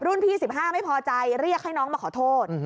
พี่๑๕ไม่พอใจเรียกให้น้องมาขอโทษ